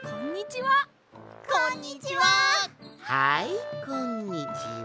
はいこんにちは。